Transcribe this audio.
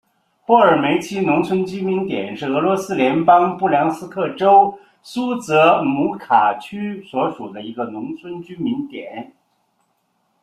霍尔梅奇农村居民点是俄罗斯联邦布良斯克州苏泽姆卡区所属的一个农村居民点。